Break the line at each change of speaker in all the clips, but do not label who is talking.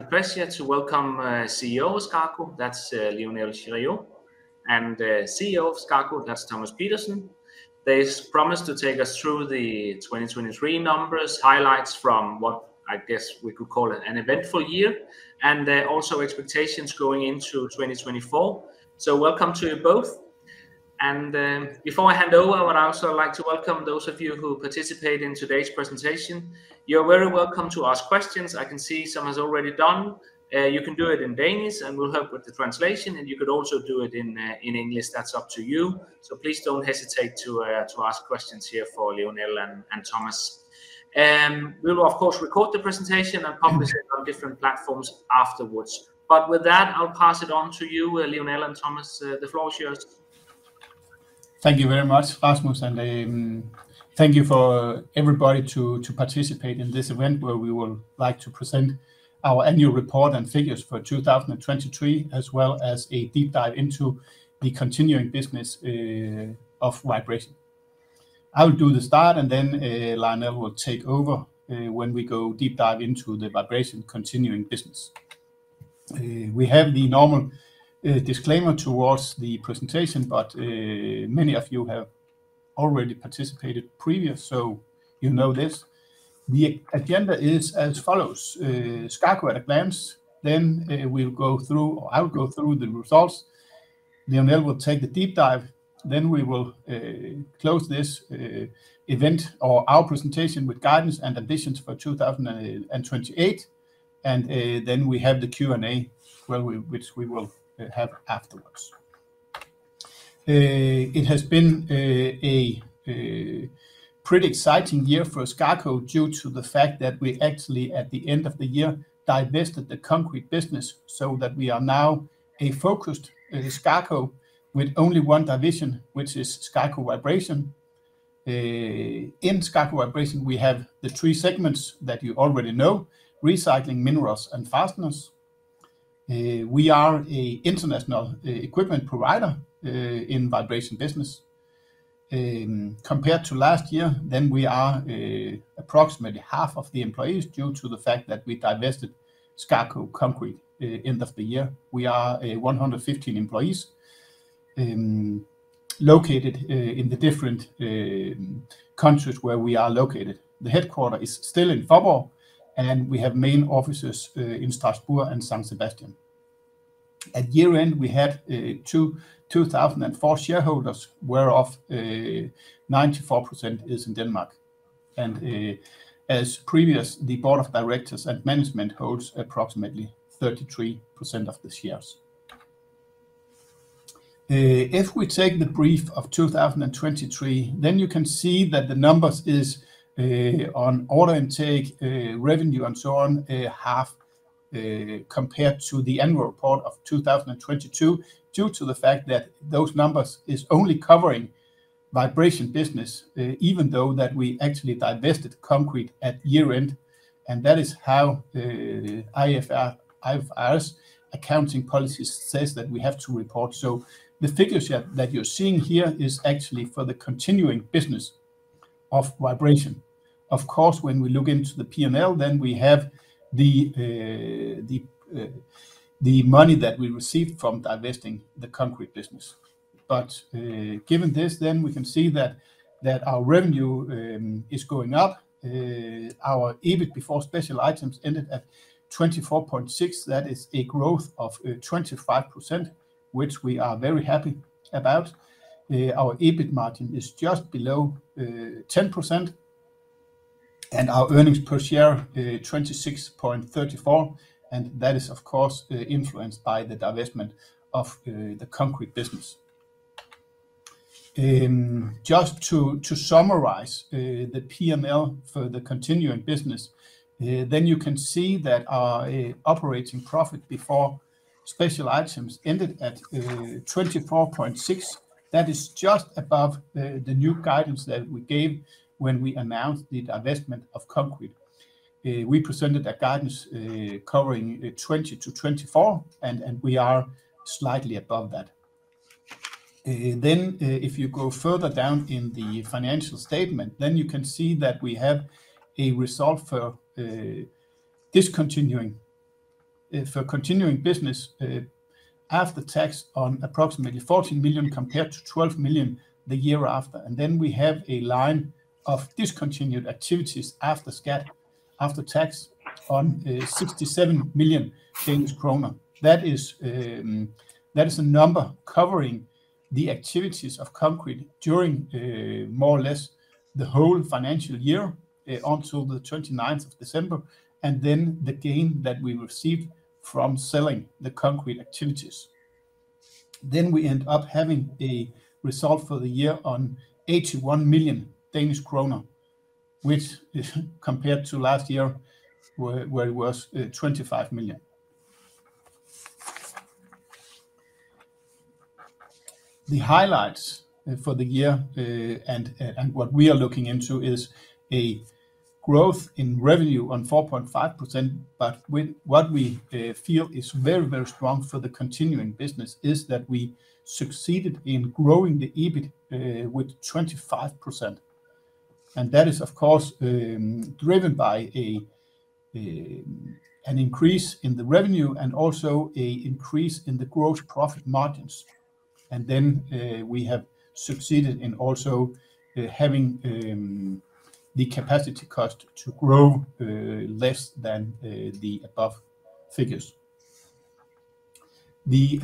It's a pleasure to welcome CEO of SKAKO, that's Lionel Girieud, and CEO of SKAKO, that's Thomas Pedersen. They promised to take us through the 2023 numbers, highlights from what I guess we could call an eventful year, and also expectations going into 2024. Welcome to you both. Before I hand over, I would also like to welcome those of you who participate in today's presentation. You're very welcome to ask questions. I can see some have already done. You can do it in Danish, and we'll help with the translation. You could also do it in English. That's up to you. Please don't hesitate to ask questions here for Lionel and Thomas. We will, of course, record the presentation and publish it on different platforms afterwards. But with that, I'll pass it on to you, Lionel and Thomas. The floor is yours.
Thank you very much, Rasmus. Thank you for everybody to participate in this event where we will like to present our annual report and figures for 2023, as well as a deep dive into the continuing business of Vibration. I will do the start, and then Lionel will take over when we go deep dive into the Vibration continuing business. We have the normal disclaimer towards the presentation, but many of you have already participated previously, so you know this. The agenda is as follows. SKAKO at a glance, then we'll go through or I'll go through the results. Lionel will take the deep dive, then we will close this event or our presentation with guidance and ambitions for 2028. Then we have the Q&A, which we will have afterwards. It has been a pretty exciting year for SKAKO due to the fact that we actually, at the end of the year, divested the concrete business so that we are now a focused SKAKO with only one division, which is SKAKO Vibration. In SKAKO Vibration, we have the three segments that you already know: recycling, minerals, and fasteners. We are an international equipment provider in the vibration business. Compared to last year, then we are approximately half of the employees due to the fact that we divested SKAKO Concrete at the end of the year. We are 115 employees located in the different countries where we are located. The headquarters is still in Faaborg, and we have main offices in Strasbourg and San Sebastián. At year-end, we had 2,004 shareholders, whereof 94% is in Denmark. As previously, the board of directors and management holds approximately 33% of the shares. If we take the brief of 2023, then you can see that the numbers on order intake, revenue, and so on have compared to the annual report of 2022 due to the fact that those numbers are only covering Vibration business, even though we actually divested Concrete at year-end. That is how IFRS accounting policy says that we have to report. So the figures that you're seeing here are actually for the continuing business of Vibration. Of course, when we look into the P&L, then we have the money that we received from divesting the Concrete business. But given this, then we can see that our revenue is going up. Our EBIT before special items ended at 24.6. That is a growth of 25%, which we are very happy about. Our EBIT margin is just below 10%, and our earnings per share 26.34. That is, of course, influenced by the divestment of the concrete business. Just to summarize the P&L for the continuing business, then you can see that our operating profit before special items ended at 24.6 million. That is just above the new guidance that we gave when we announced the divestment of concrete. We presented a guidance covering 20 million-24 million, and we are slightly above that. Then if you go further down in the financial statement, then you can see that we have a result for continuing business after tax of approximately 14 million compared to 12 million the year after. And then we have a line of discontinued activities after skat, after tax, of 67 million Danish kroner. That is a number covering the activities of concrete during more or less the whole financial year onto the 29th of December, and then the gain that we received from selling the concrete activities. Then we end up having a result for the year on 81 million Danish kroner, which is compared to last year where it was 25 million. The highlights for the year and what we are looking into is a growth in revenue on 4.5%. But what we feel is very, very strong for the continuing business is that we succeeded in growing the EBIT with 25%. And that is, of course, driven by an increase in the revenue and also an increase in the gross profit margins. And then we have succeeded in also having the capacity cost to grow less than the above figures. The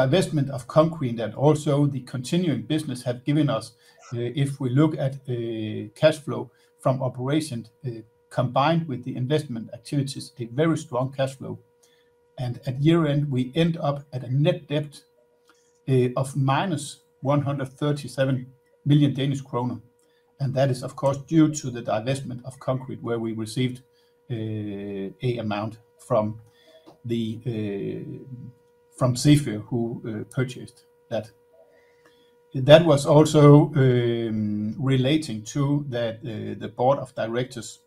divestment of concrete and also the continuing business have given us, if we look at cash flow from operation combined with the investment activities, a very strong cash flow. At year-end, we end up at a net debt of -137 million Danish kroner. That is, of course, due to the divestment of concrete where we received an amount from Zefyr Invest, who purchased that. That was also relating to that the board of directors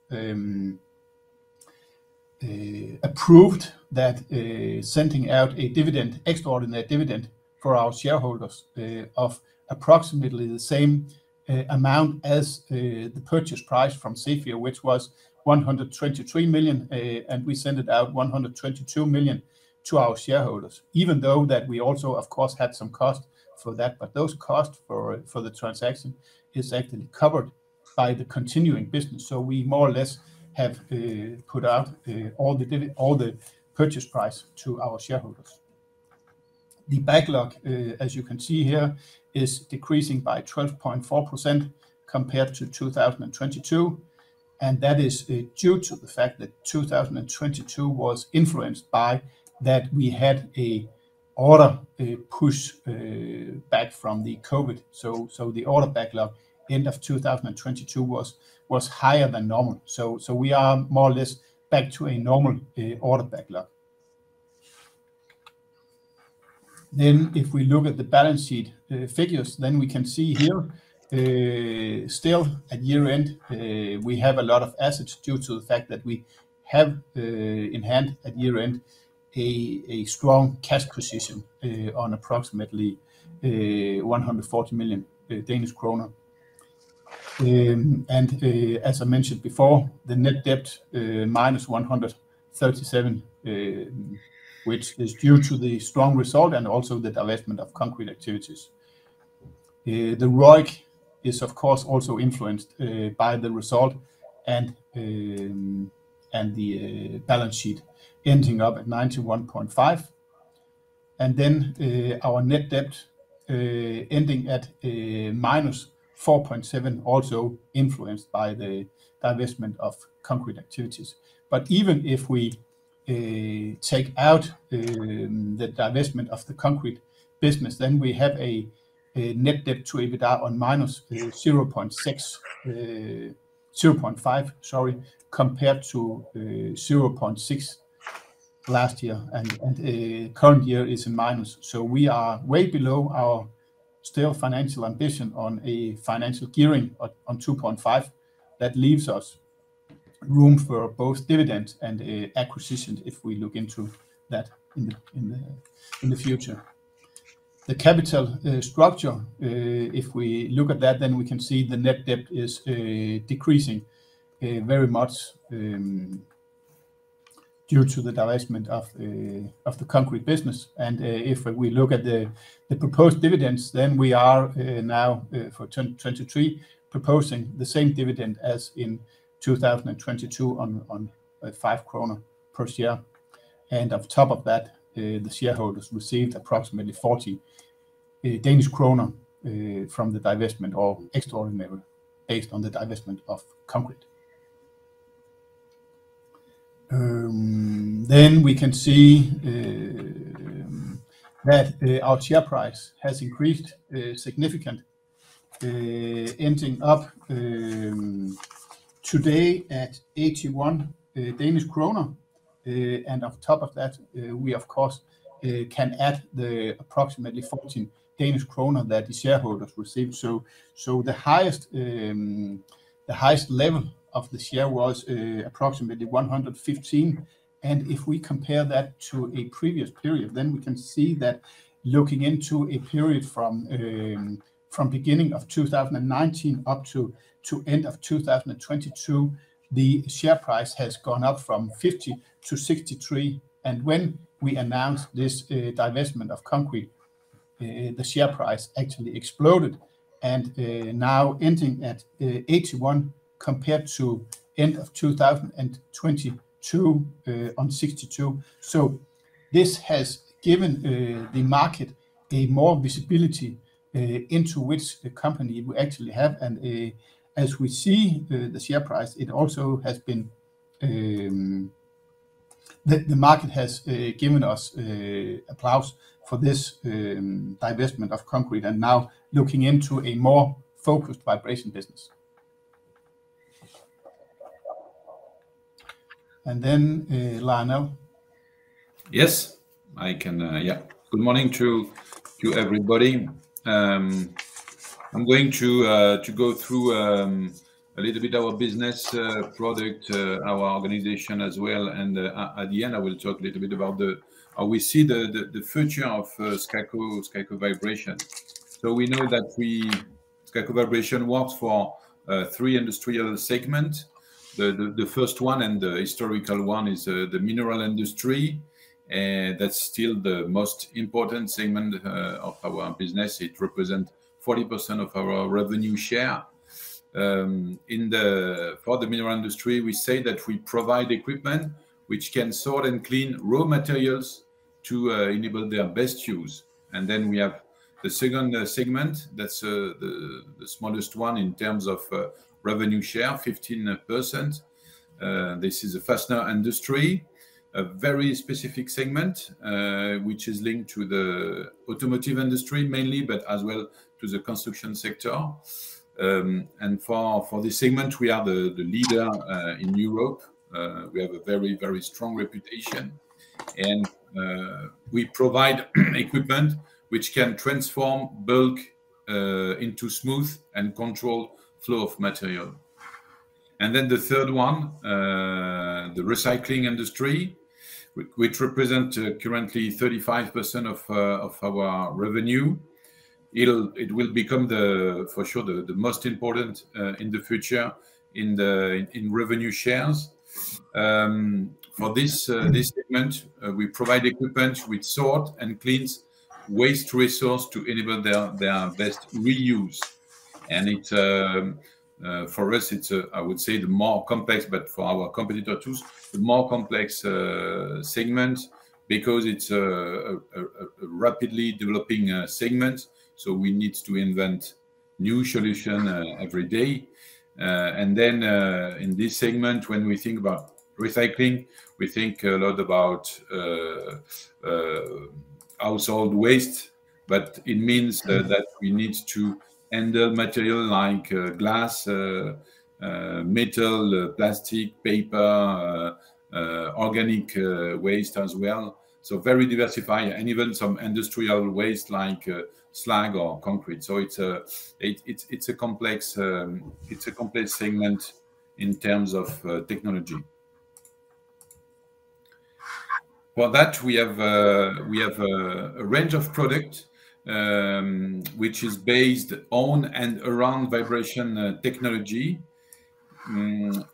approved sending out an extraordinary dividend for our shareholders of approximately the same amount as the purchase price from Zefyr Invest, which was 123 million. We sent it out 122 million to our shareholders, even though we also, of course, had some cost for that. Those costs for the transaction are actually covered by the continuing business. We more or less have put out all the purchase price to our shareholders. The backlog, as you can see here, is decreasing by 12.4% compared to 2022. That is due to the fact that 2022 was influenced by that we had an order push back from COVID. The order backlog end of 2022 was higher than normal. We are more or less back to a normal order backlog. If we look at the balance sheet figures, then we can see here, still at year-end, we have a lot of assets due to the fact that we have in hand at year-end a strong cash position of approximately 140 million Danish kroner. As I mentioned before, the net debt minus 137 million, which is due to the strong result and also the divestment of concrete activities. The ROIC is, of course, also influenced by the result and the balance sheet ending up at 91.5. Then our net debt ending at -4.7, also influenced by the divestment of concrete activities. But even if we take out the divestment of the concrete business, then we have a net debt to EBITDA on -0.5, sorry, compared to 0.6 last year. Current year is in minus. So we are way below our still financial ambition on a financial gearing on 2.5 that leaves us room for both dividends and acquisitions if we look into that in the future. The capital structure, if we look at that, then we can see the net debt is decreasing very much due to the divestment of the concrete business. If we look at the proposed dividends, then we are now, for 2023, proposing the same dividend as in 2022 on 5 kroner per share. On top of that, the shareholders received approximately 40 Danish kroner from the divestment or extraordinary based on the divestment of concrete. Then we can see that our share price has increased significantly, ending up today at 81 Danish kroner. On top of that, we, of course, can add the approximately 14 Danish kroner that the shareholders received. So the highest level of the share was approximately 115. If we compare that to a previous period, then we can see that looking into a period from beginning of 2019 up to end of 2022, the share price has gone up from 50 to 63. When we announced this divestment of concrete, the share price actually exploded and now ending at 81 compared to end of 2022 on 62. So this has given the market more visibility into which company we actually have. As we see the share price, it also has been the market has given us applause for this divestment of concrete and now looking into a more focused vibration business. Then, Lionel?
Yes. Yeah. Good morning to everybody. I'm going to go through a little bit of our business product, our organization as well. And at the end, I will talk a little bit about how we see the future of SKAKO Vibration. So we know that SKAKO Vibration works for three industrial segments. The first one and the historical one is the mineral industry. That's still the most important segment of our business. It represents 40% of our revenue share. For the mineral industry, we say that we provide equipment which can sort and clean raw materials to enable their best use. And then we have the second segment. That's the smallest one in terms of revenue share, 15%. This is a fastener industry, a very specific segment which is linked to the automotive industry mainly, but as well to the construction sector. And for this segment, we are the leader in Europe. We have a very, very strong reputation. And we provide equipment which can transform bulk into smooth and controlled flow of material. And then the third one, the recycling industry, which represents currently 35% of our revenue. It will become, for sure, the most important in the future in revenue shares. For this segment, we provide equipment which sorts and cleans waste resources to enable their best reuse. And for us, it's, I would say, the more complex, but for our competitor too, the more complex segment because it's a rapidly developing segment. So we need to invent new solutions every day. And then in this segment, when we think about recycling, we think a lot about household waste. But it means that we need to handle material like glass, metal, plastic, paper, organic waste as well. So very diversified, and even some industrial waste like slag or concrete. So it's a complex segment in terms of technology. For that, we have a range of products which is based on and around vibration technology.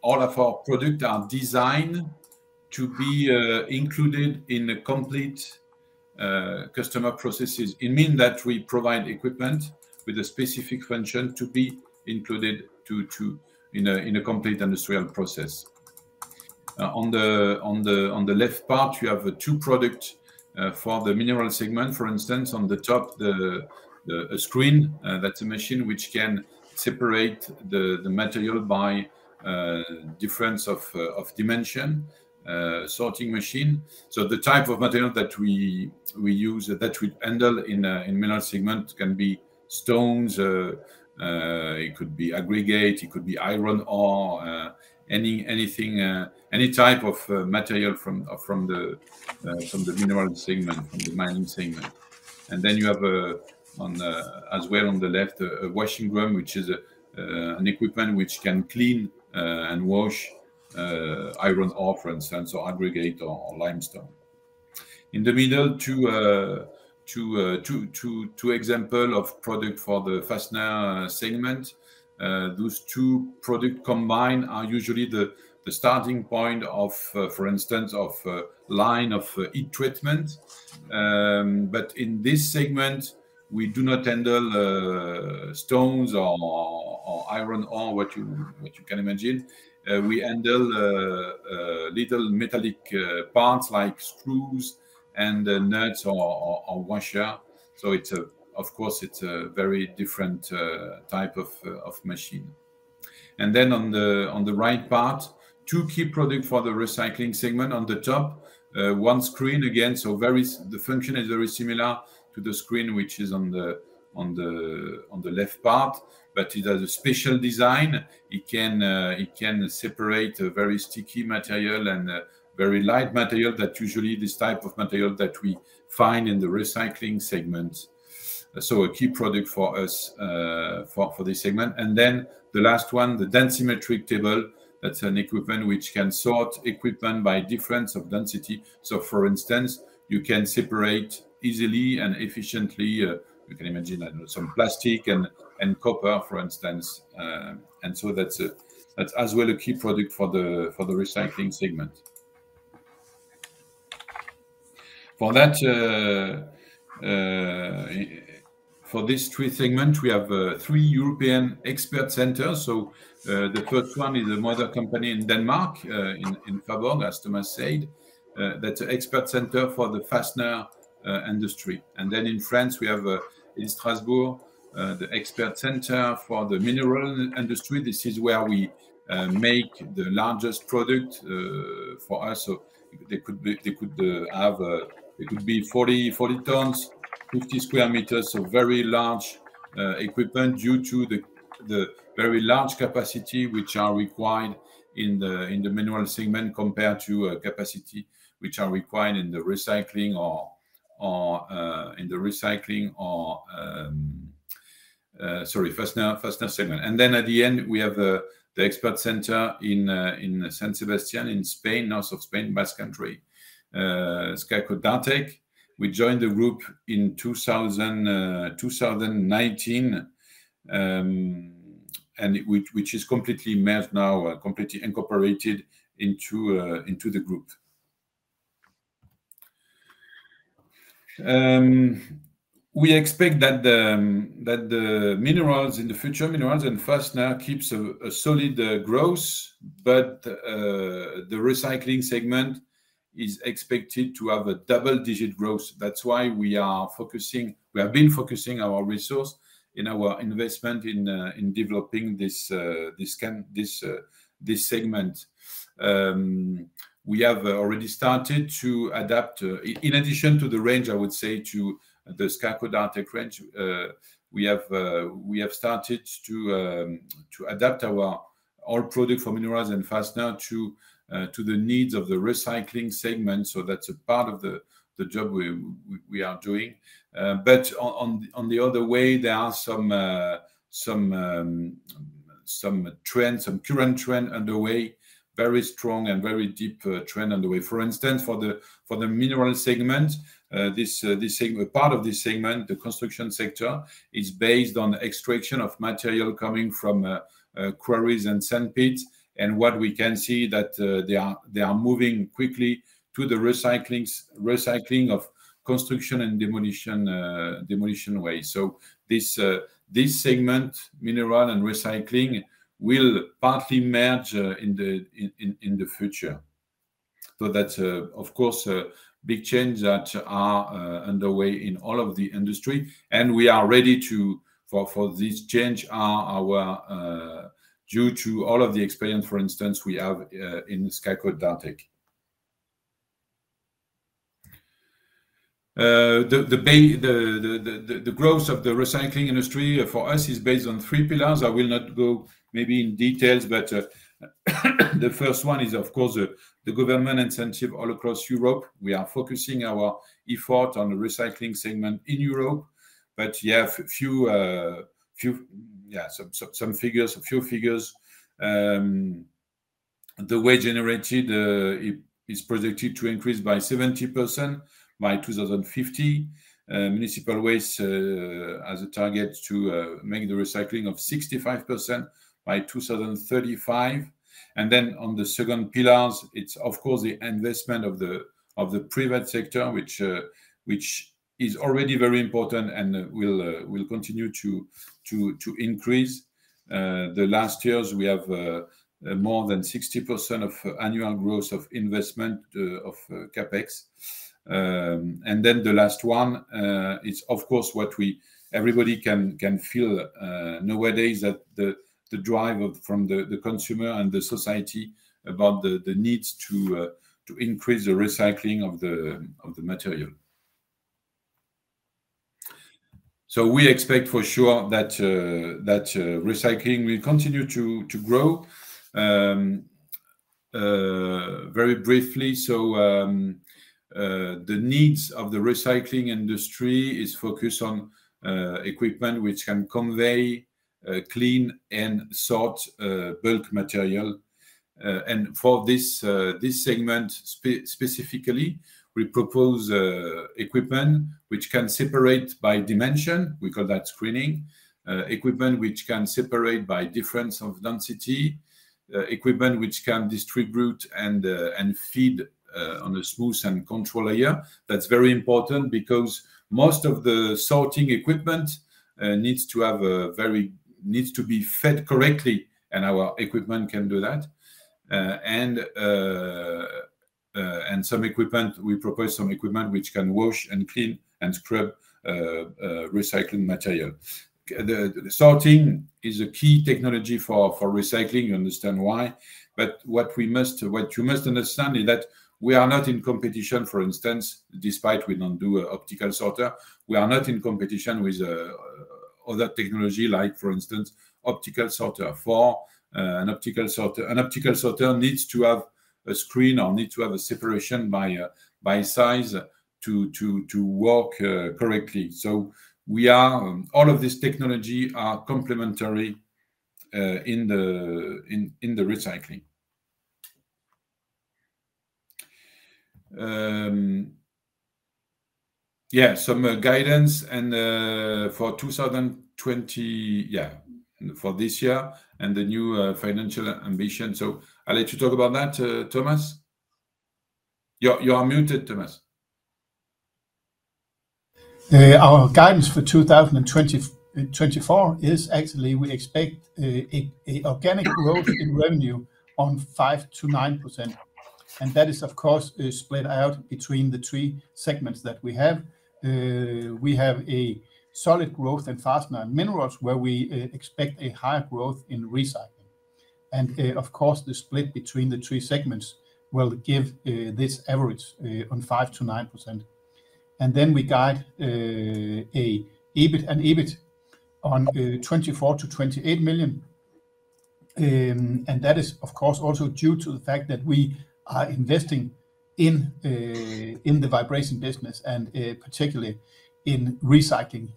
All of our products are designed to be included in complete customer processes. It means that we provide equipment with a specific function to be included in a complete industrial process. On the left part, you have two products for the mineral segment. For instance, on the top, a screen. That's a machine which can separate the material by difference of dimension, sorting machine. So the type of material that we use that we handle in mineral segment can be stones. It could be aggregate. It could be iron ore, anything, any type of material from the mineral segment, from the mining segment. And then you have as well on the left, a washing drum, which is an equipment which can clean and wash iron ore, for instance, or aggregate or limestone. In the middle, two examples of products for the fastener segment. Those two products combined are usually the starting point, for instance, of a line of heat treatment. But in this segment, we do not handle stones or iron ore, what you can imagine. We handle little metallic parts like screws and nuts or washers. So of course, it's a very different type of machine. And then on the right part, two key products for the recycling segment. On the top, one screen again. So the function is very similar to the screen which is on the left part, but it has a special design. It can separate very sticky material and very light material that usually this type of material that we find in the recycling segments. So a key product for us for this segment. And then the last one, the densimetric table. That's an equipment which can sort equipment by difference of density. So for instance, you can separate easily and efficiently, you can imagine, some plastic and copper, for instance. And so that's as well a key product for the recycling segment. For these three segments, we have three European expert centers. So the first one is a mother company in Denmark, in Faaborg, as Thomas said. That's an expert center for the fastener industry. And then in France, we have in Strasbourg, the expert center for the mineral industry. This is where we make the largest product for us. So it could be 40 tons, 50 square meters, so very large equipment due to the very large capacity which are required in the mineral segment compared to capacity which are required in the recycling or, sorry, fastener segment. And then at the end, we have the expert center in San Sebastián, in Spain, north of Spain, Basque Country, SKAKO Dartek. We joined the group in 2019, which is completely merged now, completely incorporated into the group. We expect that the minerals in the future, minerals and fastener, keep a solid growth, but the recycling segment is expected to have a double-digit growth. That's why we are focusing we have been focusing our resource in our investment in developing this segment. We have already started to adapt in addition to the range, I would say, to the SKAKO Dartek range, we have started to adapt our all products for minerals and fasteners to the needs of the recycling segment. So that's a part of the job we are doing. But on the other way, there are some trends, some current trend underway, very strong and very deep trend underway. For instance, for the mineral segment, part of this segment, the construction sector, is based on extraction of material coming from quarries and sand pits. What we can see is that they are moving quickly to the recycling of construction and demolition waste. So this segment, mineral and recycling, will partly merge in the future. So that's, of course, big change that are underway in all of the industry. We are ready for this change due to all of the experience, for instance, we have in SKAKO Dartek. The growth of the recycling industry for us is based on three pillars. I will not go into details maybe, but the first one is, of course, the government incentive all across Europe. We are focusing our effort on the recycling segment in Europe. You have a few, yeah, some figures, a few figures. Waste generated is projected to increase by 70% by 2050. Municipal waste has a target to make the recycling of 65% by 2035. On the second pillars, it's, of course, the investment of the private sector, which is already very important and will continue to increase. The last years, we have more than 60% of annual growth of investment of CapEx. And then the last one, it's, of course, what everybody can feel nowadays is that the drive from the consumer and the society about the needs to increase the recycling of the material. So we expect for sure that recycling will continue to grow. Very briefly, so the needs of the recycling industry is focused on equipment which can convey clean and sort bulk material. And for this segment specifically, we propose equipment which can separate by dimension. We call that screening. Equipment which can separate by difference of density. Equipment which can distribute and feed on a smooth and controlled layer. That's very important because most of the sorting equipment needs to be fed correctly, and our equipment can do that. And we propose some equipment which can wash and clean and scrub recycled material. Sorting is a key technology for recycling. You understand why. But what you must understand is that we are not in competition, for instance, despite we don't do optical sorter, we are not in competition with other technology like, for instance, optical sorter. An optical sorter needs to have a screen or needs to have a separation by size to work correctly. So all of this technology are complementary in the recycling. Yeah, some guidance for 2020, yeah, for this year and the new financial ambition. So I'll let you talk about that, Thomas. You are muted, Thomas.
Our guidance for 2024 is actually we expect organic growth in revenue of 5%-9%. That is, of course, split out between the three segments that we have. We have solid growth in fastener and minerals where we expect higher growth in recycling. Of course, the split between the three segments will give this average of 5%-9%. Then we guide an EBIT of 24 million-28 million. That is, of course, also due to the fact that we are investing in the vibration business and particularly in recycling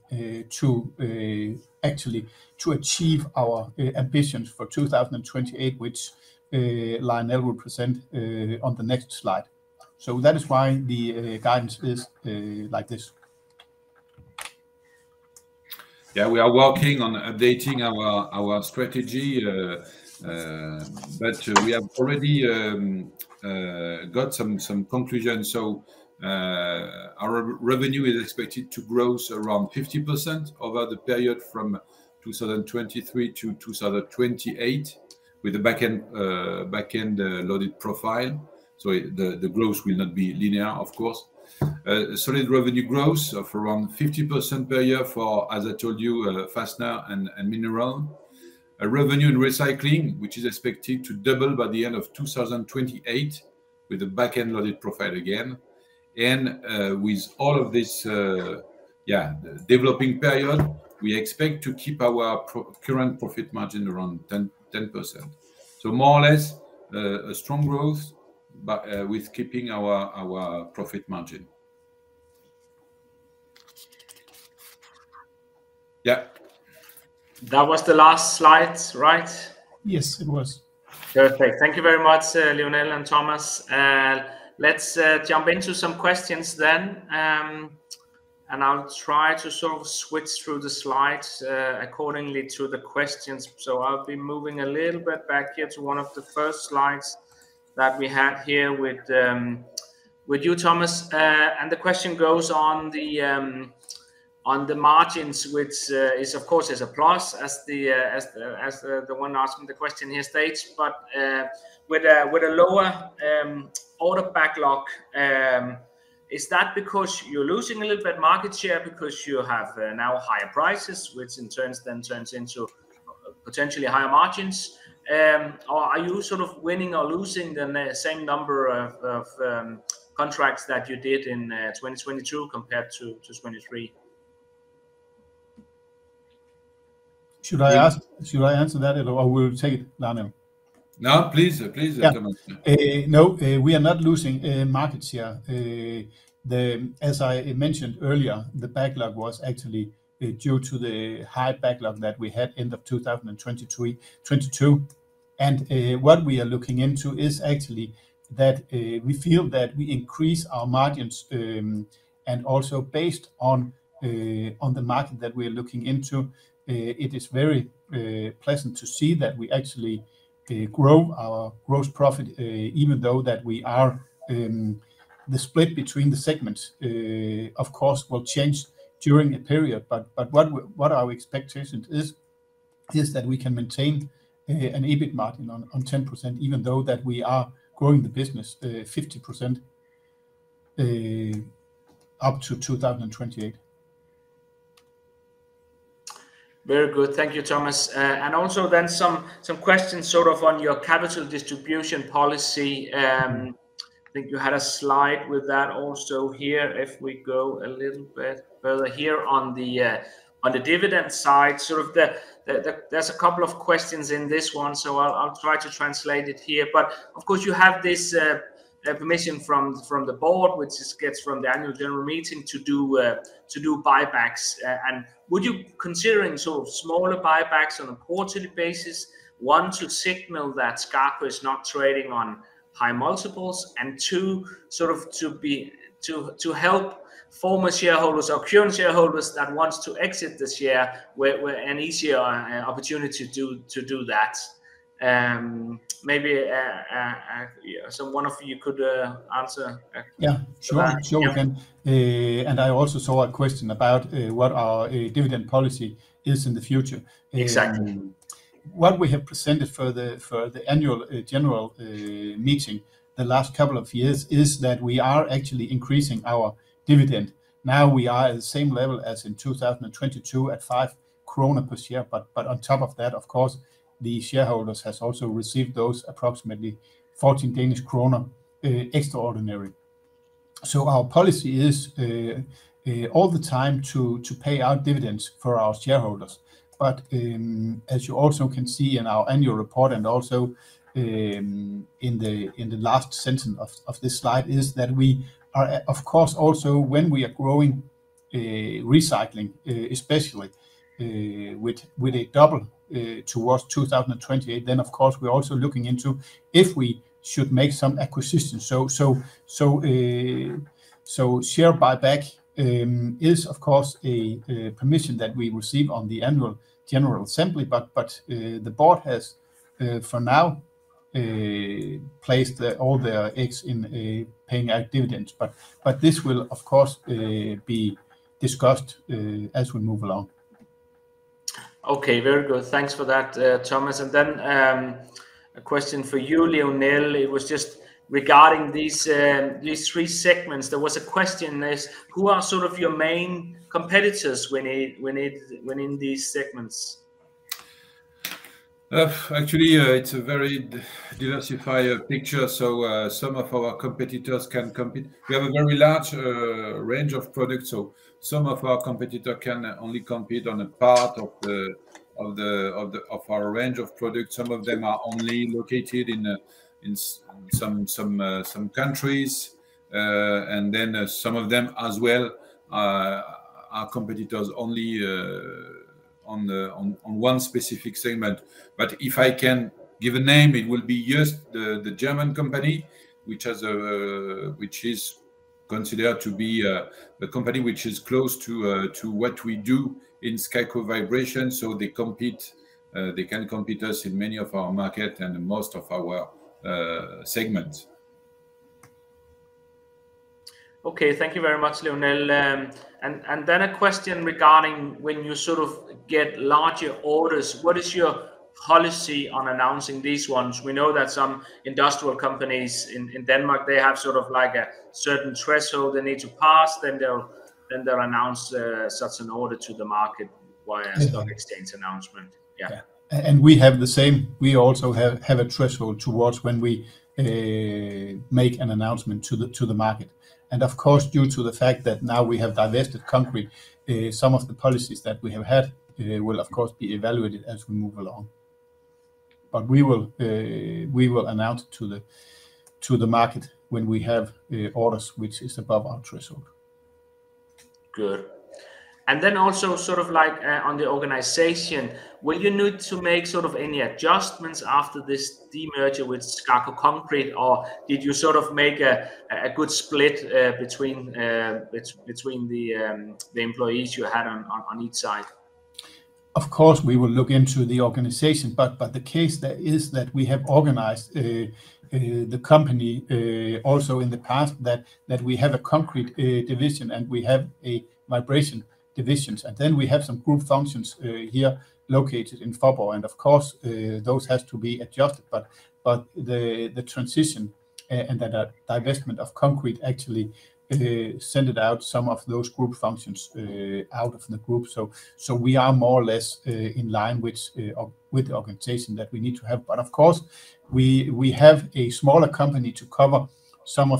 actually to achieve our ambitions for 2028, which Lionel will present on the next slide. So that is why the guidance is like this.
Yeah, we are working on updating our strategy, but we have already got some conclusions. So our revenue is expected to grow around 50% over the period from 2023 to 2028 with a backend-loaded profile. So the growth will not be linear, of course. Solid revenue growth of around 50% per year for, as I told you, fastener and mineral. Revenue in recycling, which is expected to double by the end of 2028 with a backend-loaded profile again. And with all of this, yeah, developing period, we expect to keep our current profit margin around 10%. So more or less a strong growth with keeping our profit margin. Yeah.
That was the last slide, right?
Yes, it was.
Perfect. Thank you very much, Lionel and Thomas. Let's jump into some questions then. I'll try to sort of switch through the slides accordingly to the questions. So I'll be moving a little bit back here to one of the first slides that we had here with you, Thomas. The question goes on the margins, which is, of course, a plus as the one asking the question here states. But with a lower order backlog, is that because you're losing a little bit market share because you have now higher prices, which in turn then turns into potentially higher margins? Or are you sort of winning or losing the same number of contracts that you did in 2022 compared to 2023?
Should I answer that, or will you take it, Lionel?
No, please, please, Thomas.
No, we are not losing market share. As I mentioned earlier, the backlog was actually due to the high backlog that we had end of 2022. What we are looking into is actually that we feel that we increase our margins. Also based on the market that we are looking into, it is very pleasant to see that we actually grow our gross profit even though that we are the split between the segments, of course, will change during a period. What our expectation is, is that we can maintain an EBIT margin on 10% even though that we are growing the business 50% up to 2028.
Very good. Thank you, Thomas. And also then some questions sort of on your capital distribution policy. I think you had a slide with that also here if we go a little bit further here on the dividend side. Sort of there's a couple of questions in this one, so I'll try to translate it here. But of course, you have this permission from the board, which gets from the annual general meeting to do buybacks. And would you considering sort of smaller buybacks on a quarterly basis, one, to signal that SKAKO is not trading on high multiples, and two, sort of to help former shareholders or current shareholders that want to exit this year with an easier opportunity to do that? Maybe one of you could answer.
Yeah, sure. Sure we can. And I also saw a question about what our dividend policy is in the future. What we have presented for the annual general meeting the last couple of years is that we are actually increasing our dividend. Now we are at the same level as in 2022 at 5 kroner per share. But on top of that, of course, the shareholders have also received those approximately 14 Danish kroner extraordinary. So our policy is all the time to pay out dividends for our shareholders. But as you also can see in our annual report and also in the last sentence of this slide is that we are, of course, also when we are growing recycling, especially with a double towards 2028, then, of course, we're also looking into if we should make some acquisitions. Share buyback is, of course, a permission that we receive on the annual general assembly. The board has, for now, placed all their eggs in paying out dividends. This will, of course, be discussed as we move along.
Okay, very good. Thanks for that, Thomas. And then a question for you, Lionel. It was just regarding these three segments. There was a question as to who are sort of your main competitors in these segments?
Actually, it's a very diversified picture. So some of our competitors can compete, we have a very large range of products. So some of our competitors can only compete on a part of our range of products. Some of them are only located in some countries. And then some of them as well are competitors only on one specific segment. But if I can give a name, it will be JOEST, the German company, which is considered to be a company which is close to what we do in SKAKO Vibration. So they can compete us in many of our markets and most of our segments.
Okay, thank you very much, Lionel. And then a question regarding when you sort of get larger orders. What is your policy on announcing these ones? We know that some industrial companies in Denmark, they have sort of like a certain threshold they need to pass. Then they'll announce such an order to the market via stock exchange announcement. Yeah.
We have the same. We also have a threshold towards when we make an announcement to the market. Of course, due to the fact that now we have divested concrete, some of the policies that we have had will, of course, be evaluated as we move along. We will announce to the market when we have orders which is above our threshold.
Good. And then also sort of like on the organization, were you need to make sort of any adjustments after this demerger with SKAKO Concrete, or did you sort of make a good split between the employees you had on each side?
Of course, we will look into the organization. But the case there is that we have organized the company also in the past that we have a concrete division and we have vibration divisions. Then we have some group functions here located in Faaborg. Of course, those have to be adjusted. But the transition and that divestment of concrete actually sent some of those group functions out of the group. So we are more or less in line with the organization that we need to have. Of course, we have a smaller company to cover some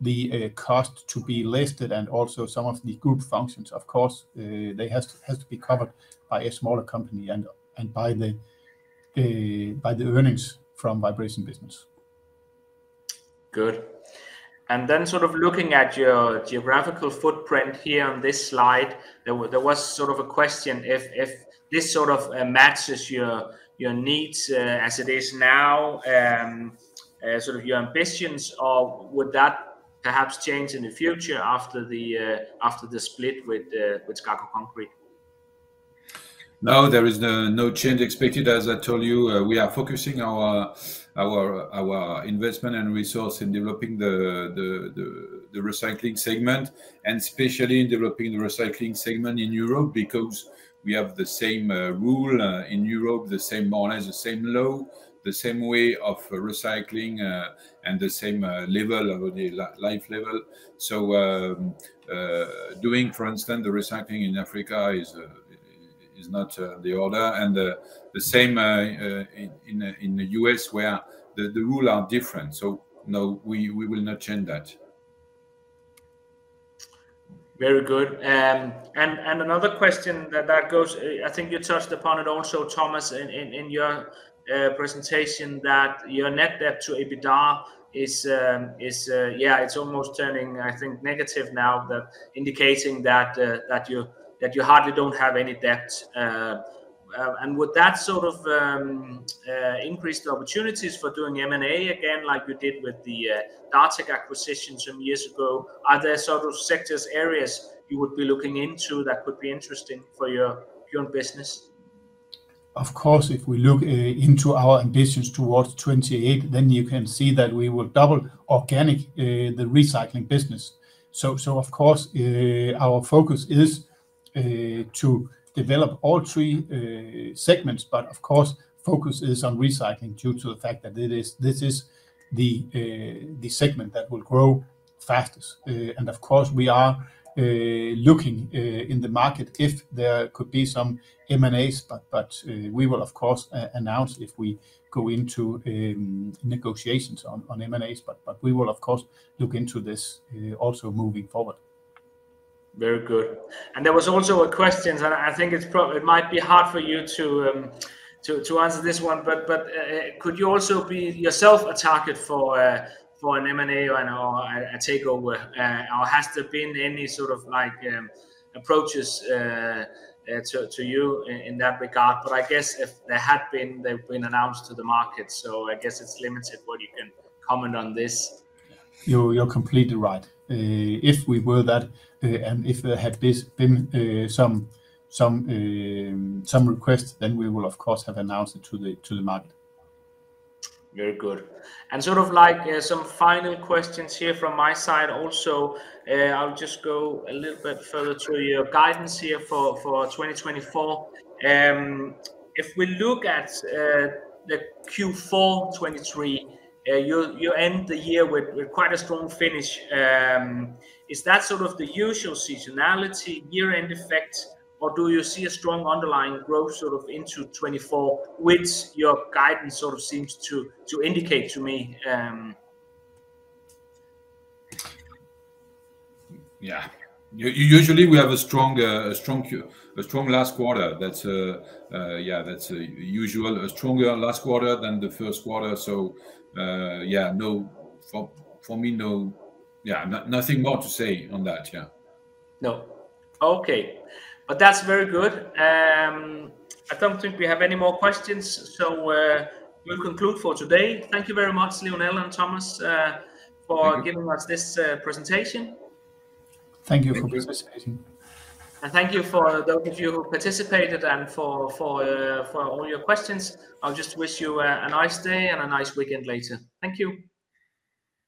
of the costs to be listed and also some of the group functions. Of course, they have to be covered by a smaller company and by the earnings from vibration business.
Good. And then sort of looking at your geographical footprint here on this slide, there was sort of a question if this sort of matches your needs as it is now, sort of your ambitions, or would that perhaps change in the future after the split with SKAKO Concrete?
No, there is no change expected. As I told you, we are focusing our investment and resource in developing the recycling segment and especially in developing the recycling segment in Europe because we have the same rule in Europe, more or less the same law, the same way of recycling, and the same life level. So doing, for instance, the recycling in Africa is not the order. And the same in the U.S. where the rules are different. So no, we will not change that.
Very good. Another question that goes—I think you touched upon it also, Thomas, in your presentation—that your net debt to EBITDA is, yeah, it's almost turning, I think, negative now, indicating that you hardly don't have any debt. And would that sort of increase the opportunities for doing M&A again like you did with the Dartek acquisition some years ago? Are there sort of sectors, areas you would be looking into that could be interesting for your current business?
Of course, if we look into our ambitions towards 2028, then you can see that we will double organic, the recycling business. Of course, our focus is to develop all three segments. Of course, focus is on recycling due to the fact that this is the segment that will grow fastest. Of course, we are looking in the market if there could be some M&As. We will, of course, announce if we go into negotiations on M&As. We will, of course, look into this also moving forward.
Very good. There was also a question. I think it might be hard for you to answer this one. But could you also be yourself a target for an M&A or a takeover? Or has there been any sort of approaches to you in that regard? I guess if there had been, they've been announced to the market. I guess it's limited what you can comment on this.
You're completely right. If we were that and if there had been some request, then we will, of course, have announced it to the market.
Very good. And sort of like some final questions here from my side also, I'll just go a little bit further through your guidance here for 2024. If we look at the Q4 2023, you end the year with quite a strong finish. Is that sort of the usual seasonality, year-end effect, or do you see a strong underlying growth sort of into 2024, which your guidance sort of seems to indicate to me?
Yeah. Usually, we have a strong last quarter. Yeah, that's usual, a stronger last quarter than the first quarter. So yeah, for me, no. Yeah, nothing more to say on that. Yeah.
No. Okay. But that's very good. I don't think we have any more questions. So we'll conclude for today. Thank you very much, Lionel and Thomas, for giving us this presentation.
Thank you for participating.
Thank you for those of you who participated and for all your questions. I'll just wish you a nice day and a nice weekend later. Thank you.